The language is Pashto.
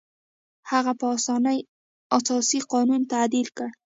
هغه په اسانۍ اساسي قانون تعدیل کړ.